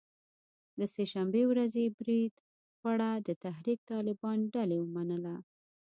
د سه شنبې ورځې برید پړه د تحریک طالبان ډلې ومنله